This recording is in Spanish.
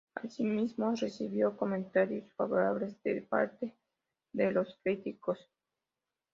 Asimismo, recibió comentarios favorables de parte de los críticos.